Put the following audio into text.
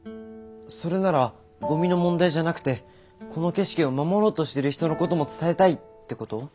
それならゴミの問題じゃなくてこの景色を守ろうとしてる人のことも伝えたい！ってこと？